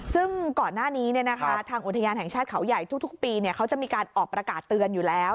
ซึ่งก่อนหน้านี้ทางอุทยานแห่งชาติเขาใหญ่ทุกปีเขาจะมีการออกประกาศเตือนอยู่แล้ว